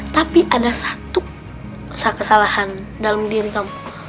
tapi ada satu kesalahan dalam diri kamu